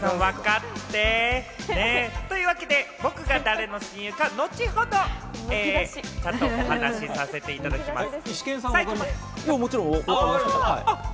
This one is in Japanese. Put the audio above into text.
というわけで、僕が誰の親友かは後ほどちゃんとお話させていただきます。